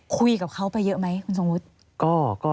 คุยกับเขาไปเยอะไหมคุณสมมติ